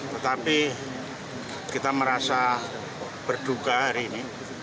tetapi kita merasa berduka hari ini